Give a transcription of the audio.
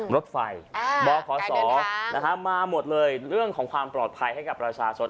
รถไฟบขศมาหมดเลยเรื่องของความปลอดภัยให้กับประชาชน